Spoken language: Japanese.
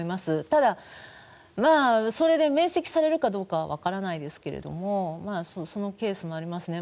ただ、それで免責されるかどうかはわからないですけどもそのケースもありますね。